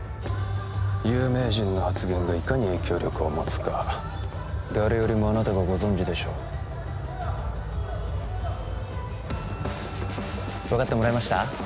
有名人の発言がいかに影響力を持つか誰よりもあなたがご存じでしょう分かってもらえました？